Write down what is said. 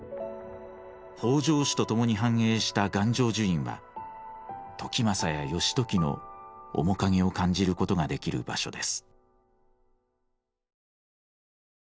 北条氏と共に繁栄した願成就院は時政や義時の面影を感じることができる場所です。